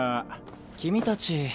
君たち。